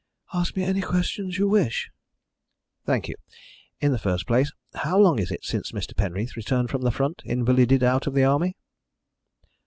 "Ask me any questions you wish." "Thank you. In the first place, how long is it since Mr. Penreath returned from the front, invalided out of the Army?"